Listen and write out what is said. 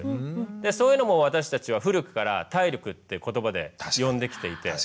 でそういうのも私たちは古くから「体力」って言葉で呼んできていて。